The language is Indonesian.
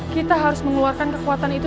kita harus mengeluarkan kekuatan itu